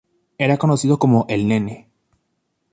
Era conocido como "El Nene".